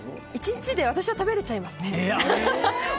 １日で私は食べられちゃいますね。